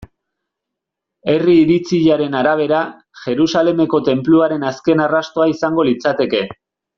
Herri iritziaren arabera, Jerusalemeko Tenpluaren azken arrastoa izango litzateke.